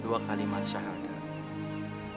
dua kalimat syahadat